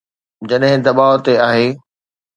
جڏهن دٻاء تي آهي.